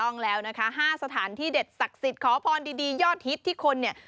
ต้องแล้วนะคะ๕สถานที่เด็ดศักดิ์สิทธิ์ขอพรดียอดฮิตที่คนเนี่ย